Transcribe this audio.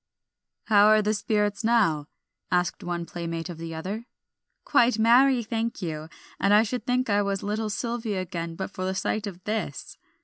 "How are the spirits now?" asked one playmate of the other. "Quite merry, thank you; and I should think I was little Sylvia again but for the sight of this."